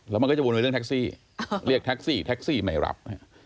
แล้วมันก็จะวนไปเรื่องแท็กซี่เรียกแท็กซี่แท็กซี่ไม่รับ